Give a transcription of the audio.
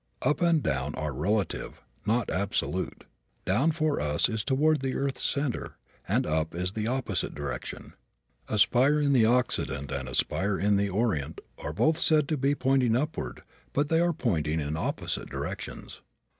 "Up" and "down" are relative, not absolute. "Down" for us is toward the earth's center and "up" is the opposite direction. A spire in the Occident and a spire in the Orient are both said to be pointing upward but they are pointing in opposite directions.